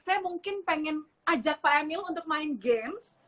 saya mungkin pengen ajak pak emil untuk main games